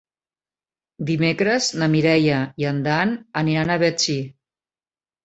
Dimecres na Mireia i en Dan aniran a Betxí.